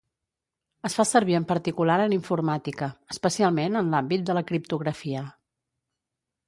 Es fa servir en particular en informàtica, especialment en l'àmbit de la criptografia.